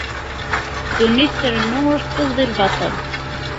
Ddunit trennu ur tettaẓ di lbaṭel.